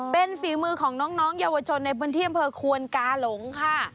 เป็นฝีมือของน้องเยาวชนในพื้นที่อำเภอควนกาหลงค่ะ